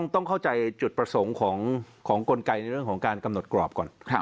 ต้องเข้าใจจุดประสงค์ของกลไกในเรื่องของการกำหนดกรอบก่อน